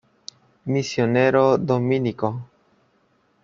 Misionero dominico.